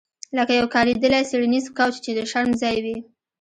لکه یو کاریدلی څیړنیز کوچ چې د شرم ځای وي